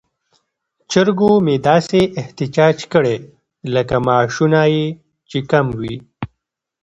چرګو مې داسې احتجاج کړی لکه معاشونه یې چې کم وي.